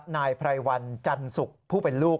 นายไพรวันจันสุกผู้เป็นลูก